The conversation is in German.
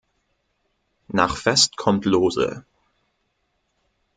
Nach fest kommt lose.